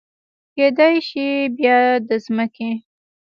کیدای شي بیا د مځکې